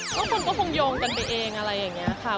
เพราะคนก็คงโยงกันไปเองอะไรอย่างนี้ค่ะ